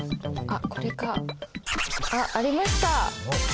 あっありました！